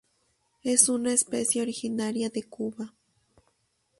Es una especie originaria de Cuba.